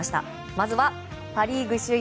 まずはパ・リーグ首位